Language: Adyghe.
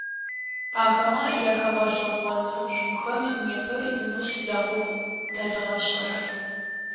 Ахэмэ якъэгъэлъэгъонышӏухэм непэ Юнус ягугъу тэзгъэшӏырэр.